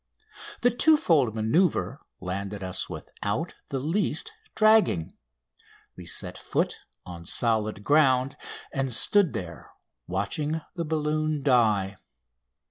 The twofold manoeuvre landed us without the least dragging. We set foot on solid ground, and stood there watching the balloon die.